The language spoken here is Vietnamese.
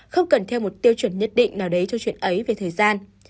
không cần theo một tiêu chuẩn nhất định nào đấy cho chuyện ấy về thời gian